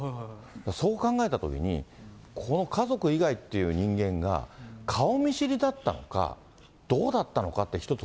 そう考えたときに、この家族以外っていう人間が顔見知りだったのか、どうだったのかって、一つ